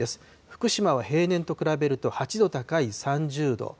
福島は平年と比べると、８度高い３０度。